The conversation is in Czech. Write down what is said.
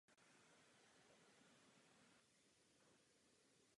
Společně jsou všechny tři označovány jako Triple Crown.